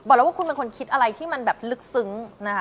แล้วว่าคุณเป็นคนคิดอะไรที่มันแบบลึกซึ้งนะคะ